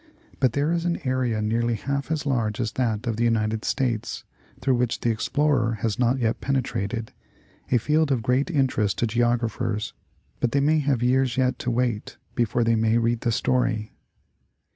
But there is an area nearly half as large as that of the United States through which the ex plorer has not yet penetrated ; a field of great interest to Geog raphers, but they may have years yet to wait, before they may read the story.